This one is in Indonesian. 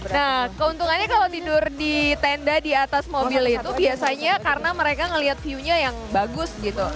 nah keuntungannya kalau tidur di tenda di atas mobil itu biasanya karena mereka ngeliat view nya yang bagus gitu